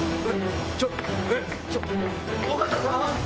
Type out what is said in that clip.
えっちょっと尾形さん？